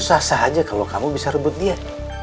pergi kah dari rumah ini